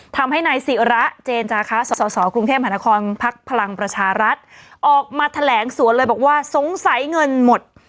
ทำให้นายศิระเจนจาคะสสกรุงเทพหานครพักพลังประชารัฐออกมาแถลงสวนเลยบอกว่าสงสัยเงินหมด